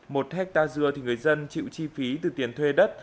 một hectare dưa thì người dân chịu chi phí từ tiền thuê đất